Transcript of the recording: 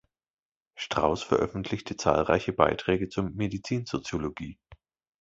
Strauss veröffentlichte zahlreiche Beiträge zur Medizinsoziologie.